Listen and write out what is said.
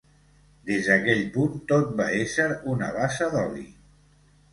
Des d'aquell punt tot va ésser una bassa d'oli.